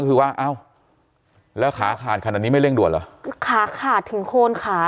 ก็คือว่าอ้าวแล้วขาขาดขนาดนี้ไม่เร่งด่วนเหรอขาขาดถึงโคนขา